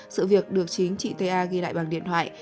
sự việc được chính chị ta ghi lại bằng điện thoại